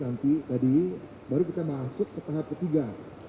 nanti tadi baru kita masuk ke tahap ketiga